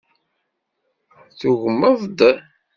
Tugmeḍ-d.